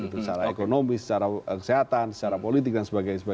secara ekonomi secara kesehatan secara politik dan sebagainya